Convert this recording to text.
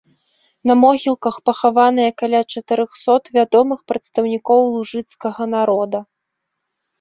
На могілках пахаваныя каля чатырохсот вядомых прадстаўнікоў лужыцкага народа.